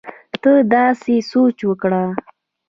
ته داسې سوچ وکړه